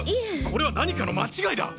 これは何かの間違いだ！